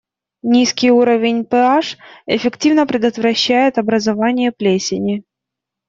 Низкий уровень pH (пэ-аш) эффективно предотвращает образование плесени.